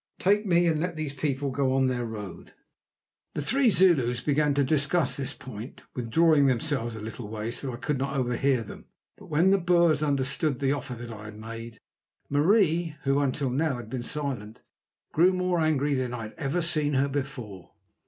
Take me, and let these people go on their road." The three Zulus began to discuss this point, withdrawing themselves a little way so that I could not overhear them. But when the Boers understood the offer that I had made, Marie, who until now had been silent, grew more angry than ever I had seen her before.